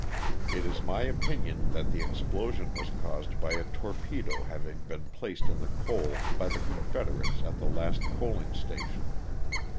It is my opinion that the ex plosion was caused by a torpedo having been placed in the coal by the Confederates at the last coaling station.